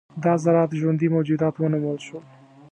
دا ذرات ژوندي موجودات ونومول شول.